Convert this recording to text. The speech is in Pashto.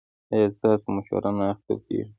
ایا ستاسو مشوره نه اخیستل کیږي؟